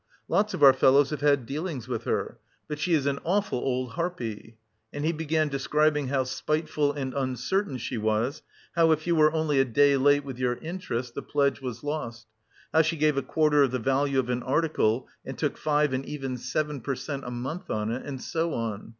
Lots of our fellows have had dealings with her. But she is an awful old harpy...." And he began describing how spiteful and uncertain she was, how if you were only a day late with your interest the pledge was lost; how she gave a quarter of the value of an article and took five and even seven percent a month on it and so on.